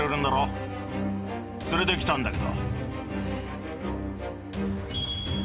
連れてきたんだけど。